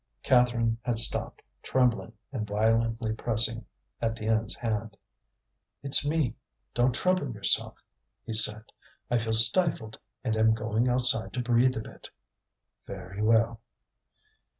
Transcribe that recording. Catherine had stopped, trembling, and violently pressing Étienne's hand. "It's me; don't trouble yourself," he said. "I feel stifled and am going outside to breathe a bit." "Very well."